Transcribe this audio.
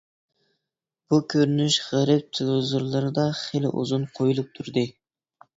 بۇ كۆرۈنۈش غەرب تېلېۋىزورلىرىدا خېلى ئۇزۇن قويۇلۇپ تۇردى.